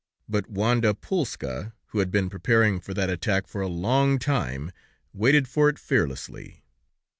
But Wanda Pulska, who had been preparing for that attack for a long time, waited for it fearlessly.